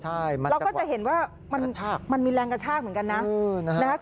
เราก็จะเห็นว่ามันมีแรงกระชากเหมือนกันนะ